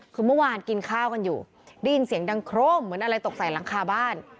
คือเมื่อวานกินข้าวกันอยู่ได้ยินเสียงดังโครมเหมือนอะไรตกใส่หลังคาบ้าน